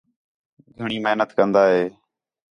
گھݨیں محنت کندا ہِے